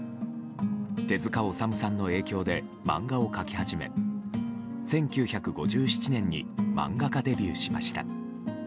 手塚治虫さんの影響で漫画を描き始め１９５７年に漫画家デビューしました。